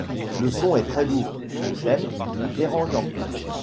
Le son est très lourd, les thèmes, dérangeants.